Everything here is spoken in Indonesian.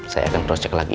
saya akan terus cek lagi